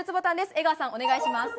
江川さん、お願いします。